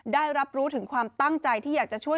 ได้รับรู้ถึงความตั้งใจที่อยากจะช่วย